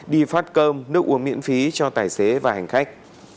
đi phát cơm nước uống miễn phí cho tài xế và hành khách